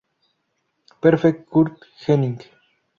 Perfect" Curt Hennig.